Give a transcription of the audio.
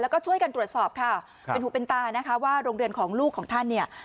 แล้วก็ช่วยกันตรวจสอบค่ะเป็นหูเป็นตานะคะว่าโรงเรียนของลูกของท่านเนี่ย